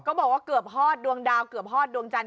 บอกว่าเกือบฮอดดวงดาวเกือบฮอดดวงจันท